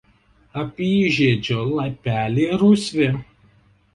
Apyžiedžio lapeliai rausvi.